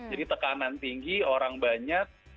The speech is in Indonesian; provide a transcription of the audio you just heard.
jadi tekanan tinggi orang banyak